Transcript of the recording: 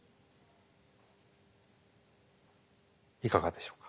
いかがでしょうか？